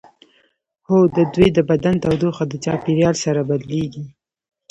هو د دوی د بدن تودوخه د چاپیریال سره بدلیږي